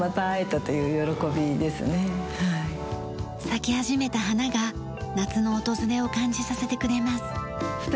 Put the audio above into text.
咲き始めた花が夏の訪れを感じさせてくれます。